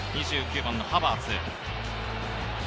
２９番のハバーツ。